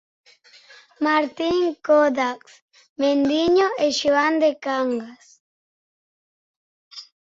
Martín Codax, Mendiño e Xoán de Cangas.